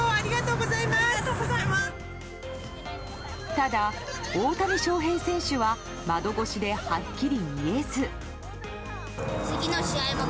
ただ、大谷翔平選手は窓越しではっきり見えず。